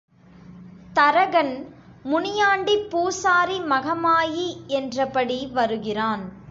தரகன் முனியாண்டிப் பூசாரி மகமாயி என்றபடி வருகிறான்.